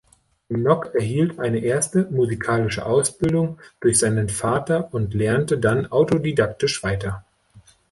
Nock erhielt eine erste musikalische Ausbildung durch seinen Vater und lernte dann autodidaktisch weiter.